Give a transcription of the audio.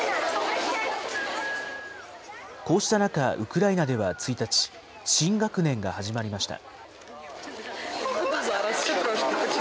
こうした中、ウクライナでは１日、新学年が始まりました。